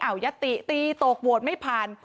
แอ๋ยติตี้โตกโวนไม่พัน